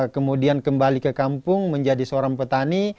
kemudian kembali ke kampung menjadi seorang petani